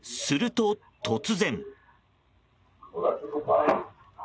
すると突然。